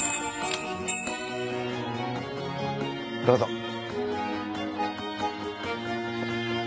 どうぞ。